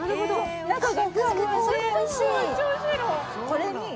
これに。